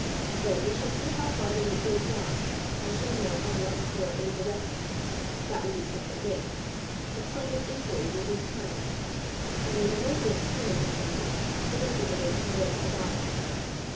Then we shall see how far the weight goes down, and shall know on what floor it is arrested. That will be something gained: the plane of inquiry will be determined. Only there may be a turn in the chimney, preventing the weight from going to the bottom."